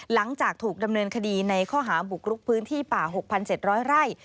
หลังจากถูกดำเนินคดีในข้อหาบุกรุกพื้นที่ป่า๖๗๐๐ไร่